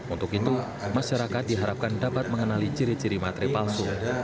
untuk itu masyarakat diharapkan dapat mengenali ciri ciri materai palsu